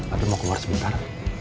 atau mau keluar sebentar